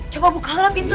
coba buka lah pintu